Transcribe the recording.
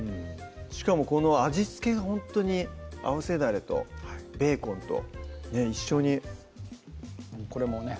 しかもこの味付けがほんとに合わせだれとベーコンと一緒にこれもね